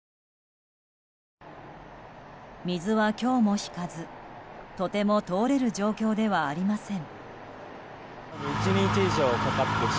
水は今日も引かず、とても通れる状況ではありません。